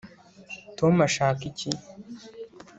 tom ashaka iki